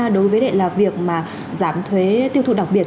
đối với lại là việc mà giảm thuế tiêu thụ đặc biệt